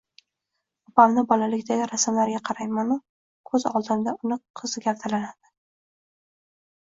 Opamni bolalikdagi rasmlariga qaraymanu koʻz oldimda uni qizi gavdalanadi.